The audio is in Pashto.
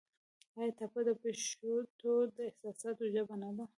آیا ټپه د پښتو د احساساتو ژبه نه ده؟